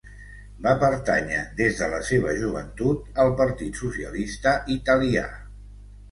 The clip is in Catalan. Va pertànyer des de la seva joventut al Partit Socialista Italià.